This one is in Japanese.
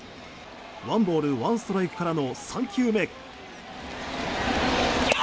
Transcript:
ワンボールワンストライクからの３球目。